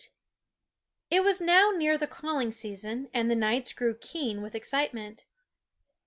T was now near the calling season, and the nights grew keen with excite ment.